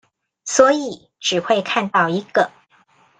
所以只會看到一個